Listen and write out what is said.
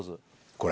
これ？